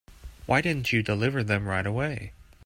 Why didn't you deliver them right away?